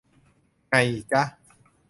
ไงจ้ะ